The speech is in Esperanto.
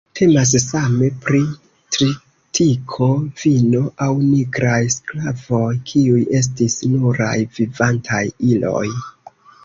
Temas same pri tritiko, vino, aŭ nigraj sklavoj, kiuj estis nuraj "vivantaj iloj".